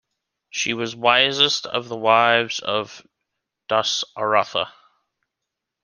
She was wisest of the wives of Dasaratha.